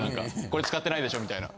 これ使ってないでしょみたいな。